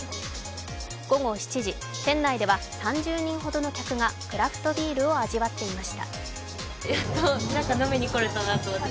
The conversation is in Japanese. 午後７時、店内では３０人ほどの客がクラフトビールを味わっていました。